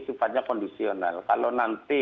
sifatnya kondisional kalau nanti